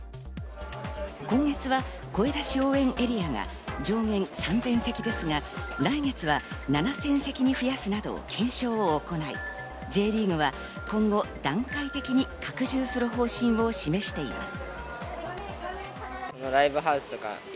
今月は声出し応援エリアが上限３０００席ですが、来月は７０００席に増やすなど検証を行い、Ｊリーグは今後、段階的に拡充する方針を示しています。